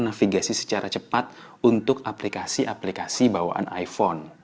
navigasi secara cepat untuk aplikasi aplikasi bawaan iphone